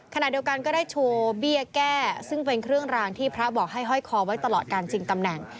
ขณะเดียวกันก็ได้โชว์เบี้ยแก้ซึ่งเป็นเครื่องรางที่พระบอกให้ห้อยคอไว้ตลอดการชิงตำแหน่ง